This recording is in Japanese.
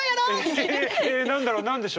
何だろう？